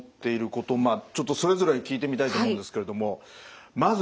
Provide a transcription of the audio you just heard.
まあちょっとそれぞれに聞いてみたいと思うんですけれどもます